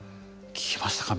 聞きましたか？